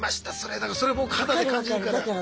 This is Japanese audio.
だからそれもう肌で感じるから。